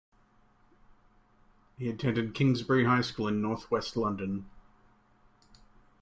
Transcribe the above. He attended Kingsbury High School in North West London.